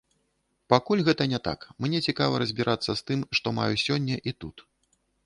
Пакуль гэта не так, мне цікава разбірацца з тым, што маю сёння і тут.